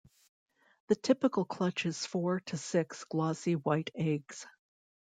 The typical clutch is four to six glossy white eggs.